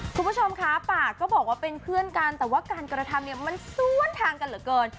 คุณผู้ชมคะปากก็บอกว่าเป็นเพื่อนกันแต่ว่าการกระทำเนี่ยมันสวนทางกันเหลือเกิน